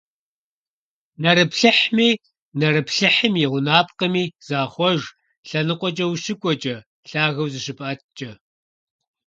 Нэрыплъыхьми, нэрыплъыхьым и гъунапкъэми захъуэж лъэныкъуэкӀэ ущыкӀуэкӀэ, лъагэу зыщыпӀэткӀэ.